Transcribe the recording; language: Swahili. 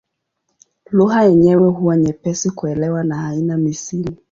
Lugha yenyewe huwa nyepesi kuelewa na haina misimu.